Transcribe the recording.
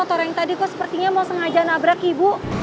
motor yang tadi kok sepertinya mau sengaja nabrak ibu